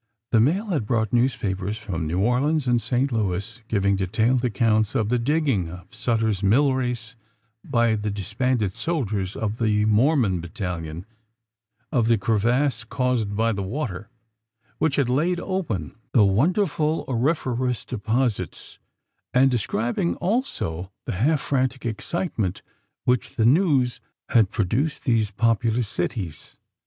The mail had brought newspapers from New Orleans and Saint Louis, giving detailed accounts of the digging of Sutter's mill race by the disbanded soldiers of the "Mormon Battalion;" of the crevasse caused by the water, which had laid open the wonderful auriferous deposits; and describing also the half frantic excitement which the news had produced these populous cities.